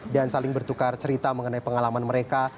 dan saling bertukar cerita mengenai pengalaman mereka